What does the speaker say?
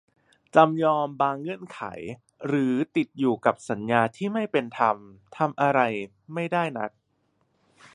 จำยอมบางเงื่อนไข หรือติดอยู่กับสัญญาที่ไม่เป็นธรรม ทำอะไรไม่ได้นัก